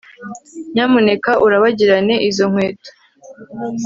nyamuneka urabagirane izo nkweto